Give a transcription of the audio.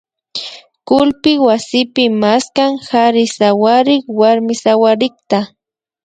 kullpi wasipi maskan kari sawarik warmi sawarikta